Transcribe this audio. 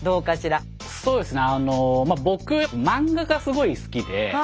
そうですね